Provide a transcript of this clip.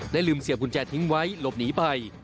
ลืมเสียบกุญแจทิ้งไว้หลบหนีไป